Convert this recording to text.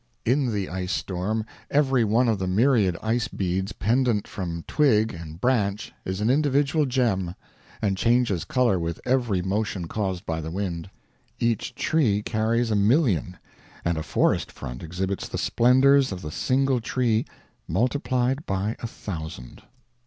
In the ice storm every one of the myriad ice beads pendant from twig and branch is an individual gem, and changes color with every motion caused by the wind; each tree carries a million, and a forest front exhibits the splendors of the single tree multiplied by a thousand.